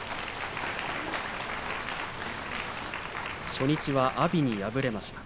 初日は阿炎に敗れました。